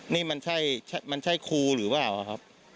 นี่มันใช่ครูหรือเปล่าครับ